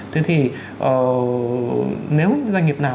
thế thì nếu doanh nghiệp nào